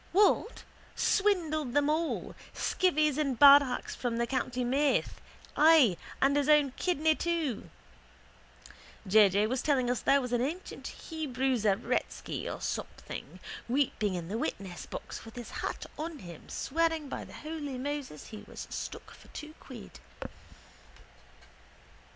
What? Swindled them all, skivvies and badhachs from the county Meath, ay, and his own kidney too. J. J. was telling us there was an ancient Hebrew Zaretsky or something weeping in the witnessbox with his hat on him, swearing by the holy Moses he was stuck for two quid.